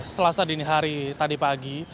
selasa dini hari tadi pagi